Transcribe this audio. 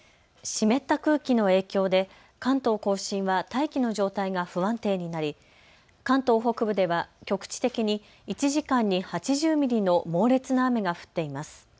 湿った空気の影響で関東甲信は大気の状態が不安定になり関東北部では局地的に１時間に８０ミリの猛烈な雨が降っています。